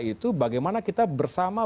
itu bagaimana kita bersama